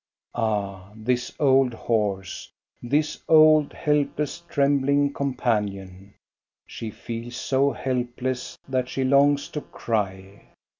Ah, this old horse, this old, helpless, trembling companion. She feels so helpless that she longs to cry.